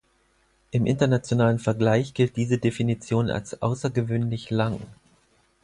Im internationalen Vergleich gilt diese Definition als aussergewöhnlich lang.